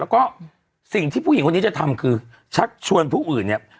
แล้วก็สิ่งที่ผู้หญิงคนนี้จะทำคือชักชวนผู้อื่นเนี่ย